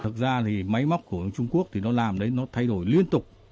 thực ra thì máy móc của trung quốc thì nó làm đấy nó thay đổi liên tục